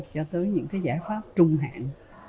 cho tới những cái giải pháp trung hạn